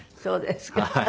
そうですか。